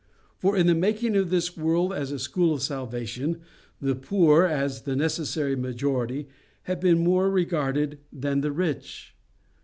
For in the making of this world as a school of salvation, the poor, as the necessary majority, have been more regarded than the rich.